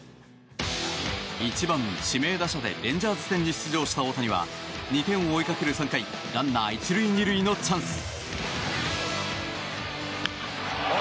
１番指名打者でレンジャーズ戦に出場した大谷は２点を追いかける３回ランナー１塁２塁のチャンス。